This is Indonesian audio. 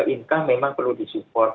inka memang perlu disupport